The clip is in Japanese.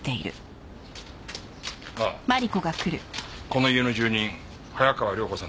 この家の住人早川涼子さんだ。